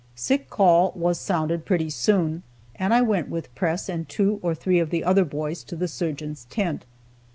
Sick call was sounded pretty soon, and I went with Press and two or three of the other boys to the surgeon's tent.